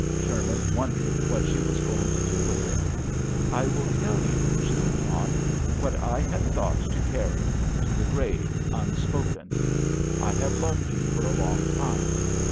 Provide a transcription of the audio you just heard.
Sher man wondered what she was going to do with it. "I will tell you," she went on, " what I had thought to carry to the l6o JOHN SHERMAN. grave unspoken. I have loved you for a long time.